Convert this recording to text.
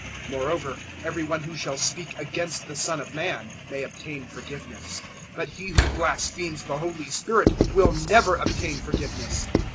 012:010 "Moreover every one who shall speak against the Son of Man, may obtain forgiveness; but he who blasphemes the Holy Spirit will never obtain forgiveness.